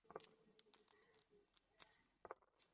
অবশ্যই yeah Francis কোথায়?